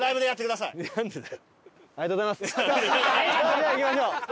さあ行きましょう。